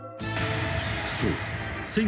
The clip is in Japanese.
［そう。